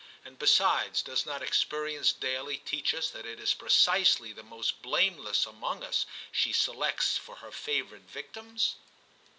And besides, does not experience daily teach us that it is precisely the most blameless among us she selects for her favourite victims